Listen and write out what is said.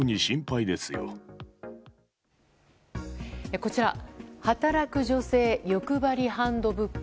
こちら、働く女性よくばりハンドブック。